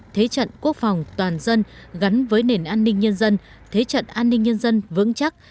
thế trận quốc phòng toàn dân gắn với nền an ninh nhân dân thế trận an ninh nhân dân vững chắc